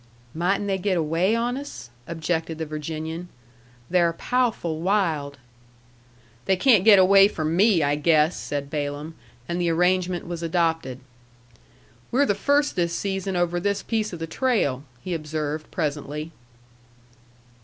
"Mightn't they get away on us?" objected the Virginian. "They're pow'ful wild." "They can't get away from me, I guess," said Balaam, and the arrangement was adopted. "We're the first this season over this piece of the trail," he observed presently.